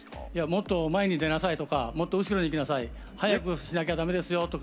「もっと前に出なさい」とか「もっと後ろに行きなさい」「早くしなきゃ駄目ですよ」とか。